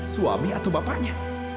suami atau bapaknya